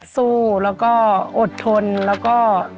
สู้แล้วก็อดทนแล้วก็